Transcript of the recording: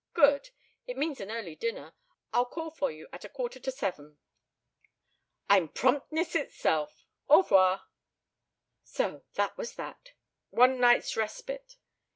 "Good. It means an early dinner. I'll call for you at a quarter to seven." "I'm promptness itself. Au 'voir." So that was that! One night's respite.